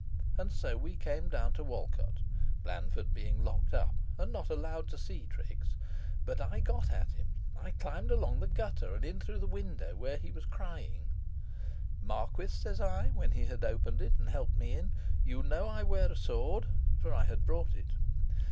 And so we came down to Walcote. Blandford being locked up, and not allowed to see Trix. But I got at him. I climbed along the gutter, and in through the window, where he was crying. "'Marquis,' says I, when he had opened it and helped me in, 'you know I wear a sword,' for I had brought it.